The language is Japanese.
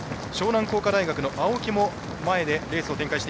湘南工科大学の青木も前でレースを展開。